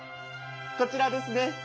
こちらですね。